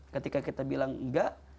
ketika kita bilang enggak